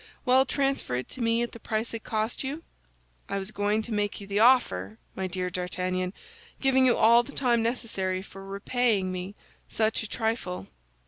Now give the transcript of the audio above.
"Well, transfer it to me at the price it cost you?" "I was going to make you the offer, my dear D'Artagnan, giving you all the time necessary for repaying me such a trifle."